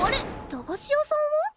駄菓子屋さんは？